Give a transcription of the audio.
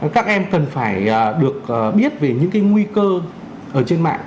các em cần phải được biết về những nguy cơ ở trên mạng